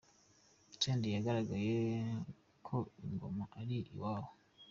Senderi yagaragaje ko i Ngoma ari iwabo.